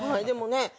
でもね